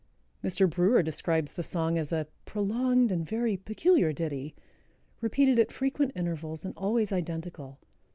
Mr. Brewer describes the song as a "prolonged and very peculiar ditty, repeated at frequent intervals and always identical.